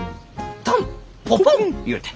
「タン・ポポンッ」ゆうて。